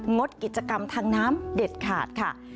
งดกิจกรรมทางน้ำเด็ดขาดค่ะ